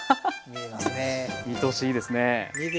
見通しいいですね。